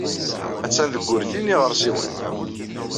Attan deg wurti n yiɣersiwen.